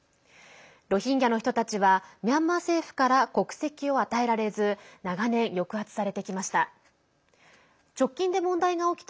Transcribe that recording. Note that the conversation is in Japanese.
ロヒンギャの人たちはミャンマー政府から国籍を与えられず長年、抑圧されてきました。